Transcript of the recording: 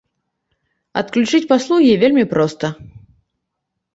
Адключыць паслугі вельмі проста.